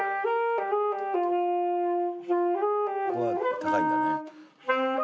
「ここは高いんだね」